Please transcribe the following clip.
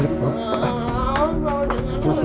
maaf mbak jangan